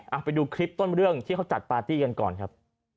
เอาไปดูคลิปต้นเรื่องที่เขาจัดปาร์ตี้กันก่อนครับ